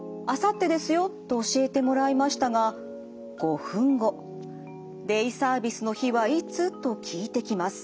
と教えてもらいましたが５分後「デイサービスの日はいつ？」と聞いてきます。